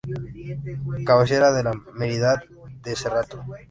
Cabecera de la Merindad de Cerrato.